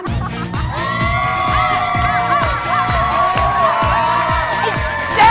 เชิญ